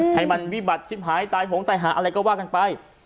ให้มันวิบัติชิบหายตายหงตายหาอะไรก็ว่ากันไป